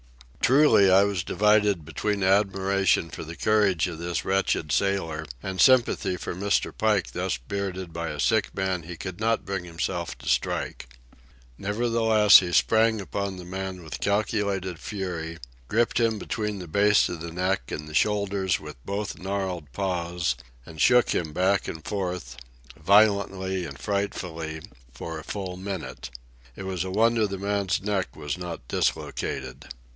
Truly, I was divided between admiration for the courage of this wretched sailor and sympathy for Mr. Pike thus bearded by a sick man he could not bring himself to strike. Nevertheless he sprang upon the man with calculated fury, gripped him between the base of the neck and the shoulders with both gnarled paws, and shook him back and forth, violently and frightfully, for a full minute. It was a wonder the man's neck was not dislocated.